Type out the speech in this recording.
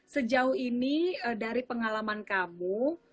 sejauh ini dari pengalaman kamu